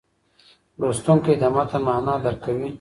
لوستونکی د متن معنا درک کوي.